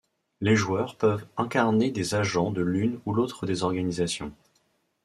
Les joueurs peuvent incarner des agents de l'une ou l'autre des organisations.